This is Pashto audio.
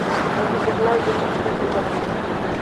هلته د غلا او جرمونو کچه لوړه سوه.